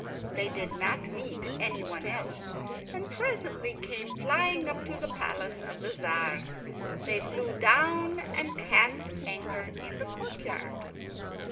They did not meet any one else, and presently came flying up to the palace of the Tzar. They flew down and cast anchor in the courtyard.